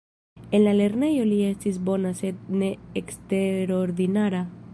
En la lernejo, li estis bona sed ne eksterordinara.